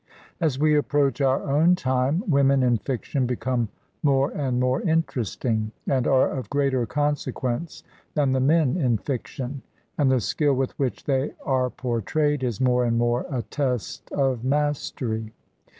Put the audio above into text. As we approach our own time, wom en in fiction become more and more interesting, and are of greater consequence than the men in fiction, and the skill with which they are portrayed is more and more a test of mastery.